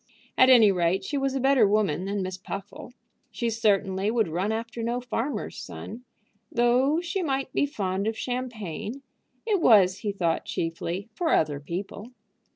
At any rate, she was a better woman than Miss Puffle. She certainly would run after no farmer's son. Though she might be fond of champagne, it was, he thought, chiefly for other people.